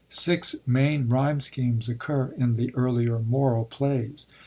Six main ryme schemes occur in the earlier moral plays.